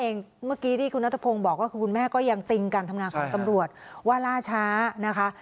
เมื่อกี้ที่คุณนัทพงศ์บอกว่าคือคุณแม่ก็ยังติงการทำงานของตำรวจว่าล่าช้านะคะ